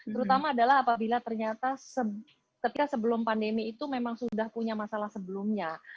terutama adalah apabila ternyata ketika sebelum pandemi itu memang sudah punya masalah sebelumnya